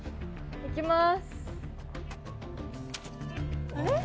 いきます。